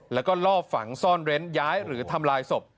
แล้วก็ลอบฝังซ่อนเร้นย้ายหรือทำลายศพ